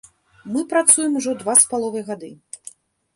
Мы працуем ужо два з паловай гады.